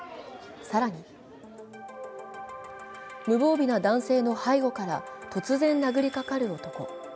更に無防備な男性の背後から突然、殴りかかる男。